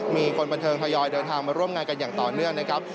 มีคนบันเทิงทยอยเดินทางมาร่วมงานกันอย่างต่อเนื่องนะครับ